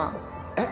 えっ！？